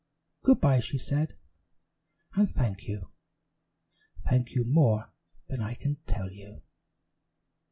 "Good by!" she said, "and thank you! Thank you more than I can tell you."